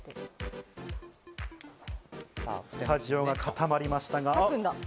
スタジオがかたまりました。